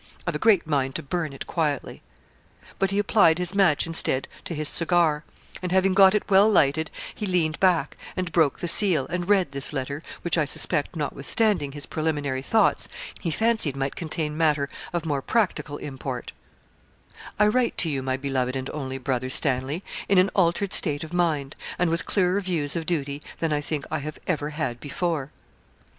I've a great mind to burn it quietly.' But he applied his match, instead, to his cigar; and having got it well lighted, he leaned back, and broke the seal, and read this letter, which, I suspect, notwithstanding his preliminary thoughts, he fancied might contain matter of more practical import: 'I write to you, my beloved and only brother, Stanley, in an altered state of mind, and with clearer views of duty than, I think, I have ever had before.'